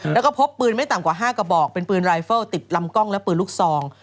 แล้วก็พบปืนไม่ต่ำกว่า๕กระบอกเป็นปืนรายเฟิลติดลำกล้องและปืนลูกซอง